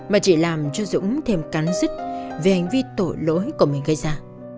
mà chỉ làm cho dũng thêm cắn dứt về hành vi tội lỗi của mình gây ra